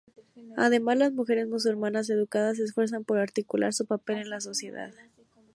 Además, las mujeres musulmanas educadas se esfuerzan por articular su papel en la sociedad.